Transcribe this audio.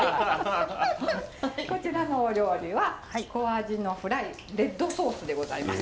こちらのお料理は小アジのフライレッドソースでございます。